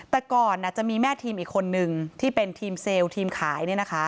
แต่ก่อนจะมีแม่ทีมอีกคนนึงที่เป็นทีมเซลล์ทีมขาย